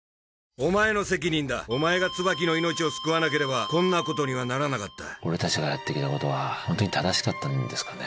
お前の責任だお前が椿の命を救わなければこんなことには俺達がやってきたことはホントに正しかったんですかね？